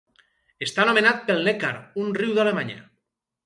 Està nomenat pel Neckar, un riu d'Alemanya.